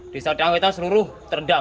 desa kaliombo kita seluruh terendam